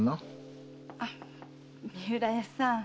三浦屋さん